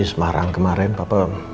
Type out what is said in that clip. semarang kemarin papa